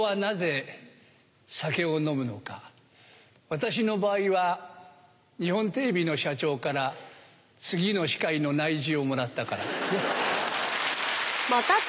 私の場合は日本テレビの社長から次の司会の内示をもらったから。